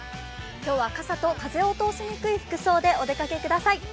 今日は傘と、風を通しにくい服装でお出かけください。